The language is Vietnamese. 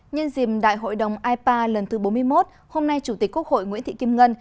nhân dìm đại hội đồng ipa lần thứ bốn mươi một hôm nay chủ tịch quốc hội nguyễn thị kim ngân